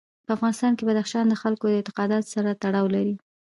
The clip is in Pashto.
په افغانستان کې بدخشان د خلکو د اعتقاداتو سره تړاو لري.